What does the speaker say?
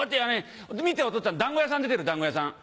「見ておとっつぁん団子屋さん出てる団子屋さん」。